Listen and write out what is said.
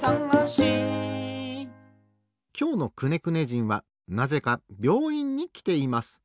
きょうのくねくね人はなぜかびょういんにきています。